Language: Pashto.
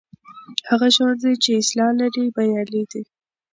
هغه ښوونځی چې اصلاح لري بریالی دی.